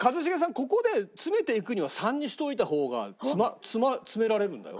ここで詰めていくには３にしといた方が詰められるんだよ？